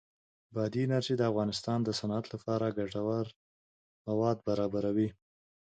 بادي انرژي د افغانستان د صنعت لپاره ګټور مواد برابروي.